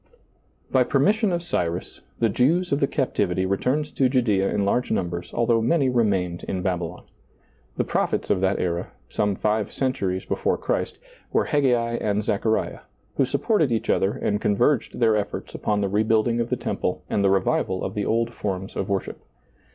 Bv permission of Cyrus, the Jews of the Cap tivity returned to Judcea in large numbers, al though many remained in Babylon. The proph ets of that era, some five centuries before Christ, were Haggai and Zechariah, who supported each other and convei^ed their efforts upon the re building of the temple and the revival of the old forms of worship.